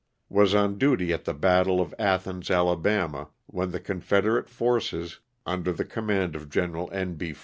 Was on duty at the battle of Athens, Ala, when the confederate forces, under the command of Gen. N. B.